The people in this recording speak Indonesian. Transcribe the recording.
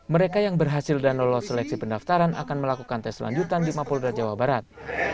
mereka yang berhasil dan lolos seleksi pendaftaran akan melakukan tes lanjutan di mapolda jawa barat